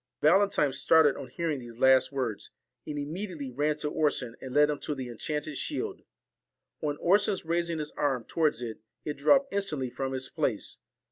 Valentine started on hearing these last words, and immediately ran to Orson, and led him to the enchanted shield. On Orson's raising his arm towards it, it dropped instantly from its place.